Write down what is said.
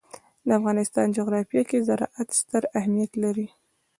د افغانستان جغرافیه کې زراعت ستر اهمیت لري.